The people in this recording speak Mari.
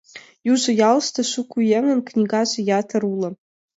Южо ялыште шуко еҥын книгаже ятыр уло.